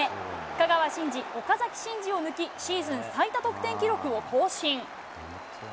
香川真司、岡崎慎司を抜き、シーズン最多得点記録を更新。